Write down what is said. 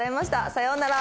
さようなら。